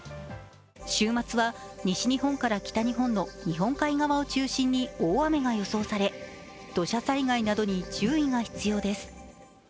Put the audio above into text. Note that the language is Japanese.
週末は西日本から北日本の日本海側を中心に大雨が予想され土砂災害などに注意が必要です。